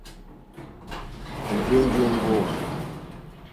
Ó rzènjé mbówà.